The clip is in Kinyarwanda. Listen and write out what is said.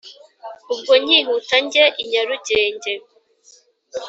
Ubwo nkihuta njye i Nyarugenge.